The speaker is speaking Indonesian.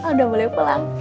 udah boleh pulang